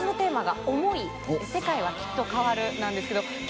泙「想い世界は、きっと変わる。」なんですけど。